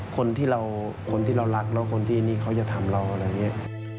คนที่เรารักเราคนที่นี่เขาจะทำเราอะไรแบบนี้